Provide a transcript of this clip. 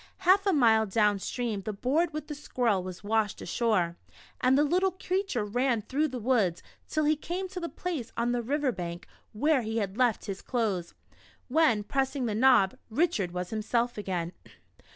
Half a mile down stream, the board with the squirrel was washed ashore, and the little creature ran through the woods, till he came to the place on the river bank where he had left his clothes, when, pressing the knob, "Richard was himself again."